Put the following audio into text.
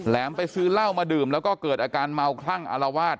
ไปซื้อเหล้ามาดื่มแล้วก็เกิดอาการเมาคลั่งอารวาส